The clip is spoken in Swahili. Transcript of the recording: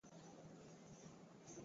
kwa ujumla ulihakikisha hali ya amani